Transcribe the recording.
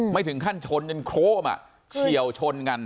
ไม่ถึงขั้นชนจนโครมเฉียวชนกัน